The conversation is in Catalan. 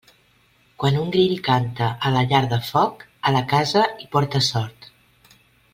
Quan un grill canta a la llar de foc, a la casa hi porta sort.